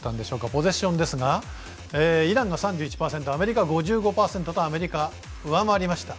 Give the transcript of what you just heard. ポゼッションですがイランが３１％アメリカが５５％とアメリカ、上回りました。